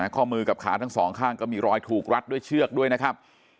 ข้อมือกับขาทั้งสองข้างก็มีรอยถูกรัดด้วยเชือกด้วยนะครับ